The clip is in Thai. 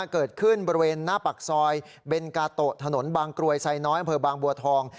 เกิดขึ้นบริเวณหน้าปากซอยเบนกาโตะถนนบางกรวยไซน้อยอำเภอบางบัวทอง